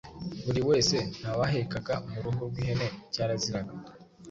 buri wese. Nta wahekaga mu ruhu rw’ihene cyaraziraga.